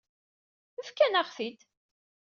Fkan-aɣ-t-id.